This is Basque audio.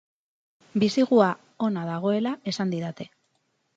Bisigua ona dagoela esan didate.